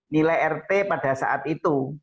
nilai rt pada saat itu